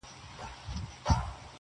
زړه مي د اشنا په لاس کي وليدی.